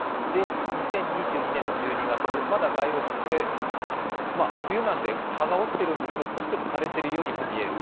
２０２２年１２月、まだ街路樹、冬なんで、葉が落ちてるんですが、少し枯れているようにも見える。